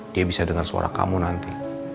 dia bisa dengar suara kamu nanti